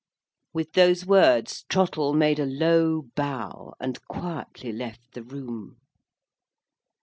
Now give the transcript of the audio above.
With those words, Trottle made a low bow, and quietly left the room.